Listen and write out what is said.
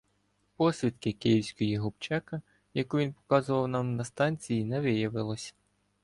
Посвідки Київської губчека, яку він показував нам на станції, не виявилося.